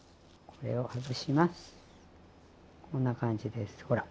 こんな感じですほら。